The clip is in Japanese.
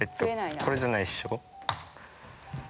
これじゃないっしょ？